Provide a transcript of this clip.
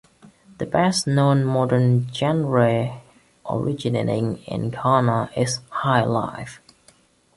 The best known modern genre originating in Ghana is Highlife.